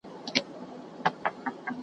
د بېوسۍ عمره لوګی شم درنه